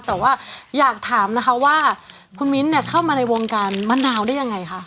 แต่ว่าอยากถามนะคะว่าคุณมิ้นท์เนี่ยเข้ามาในวงการมะนาวได้ยังไงคะ